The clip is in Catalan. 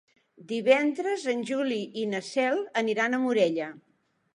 Divendres en Juli i na Cel aniran a Morella.